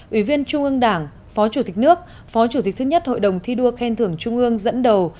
ủy viên trung ương đảng phó chủ tịch nước phó chủ tịch thứ nhất hội đồng thi đua khen thưởng trung ương dẫn đầu